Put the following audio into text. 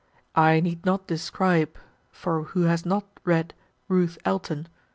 I need not describe for who has not read "Ruth Elton"?